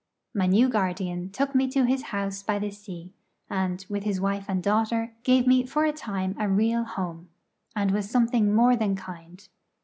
My new guardian took me to his house by the sea, and, with his wife and daughter, gave me for a time a real home, and was something more than kind.